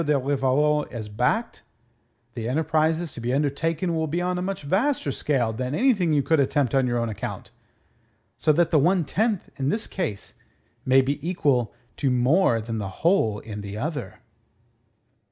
de Rivarol is backed, the enterprises to be undertaken will be on a much vaster scale than anything you could attempt on your own account. So that the one tenth in this case may be equal to more than the whole in the other."